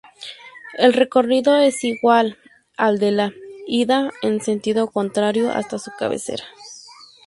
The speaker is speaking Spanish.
El recorrido es igual al de la ida en sentido contrario hasta su cabecera.